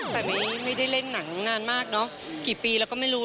แต่ไม่ได้เล่นหนังนานมากเนอะกี่ปีแล้วก็ไม่รู้